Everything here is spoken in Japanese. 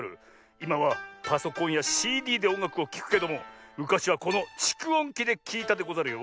いまはパソコンやＣＤでおんがくをきくけどもむかしはこのちくおんきできいたでござるよ。